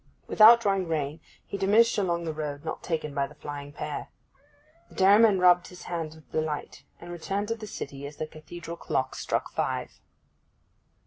Without drawing rein he diminished along the road not taken by the flying pair. The dairyman rubbed his hands with delight, and returned to the city as the cathedral clock struck five.